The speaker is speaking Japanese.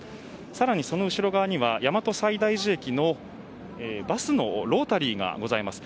更にその後ろ側には大和西大寺駅のバスのロータリーがございます。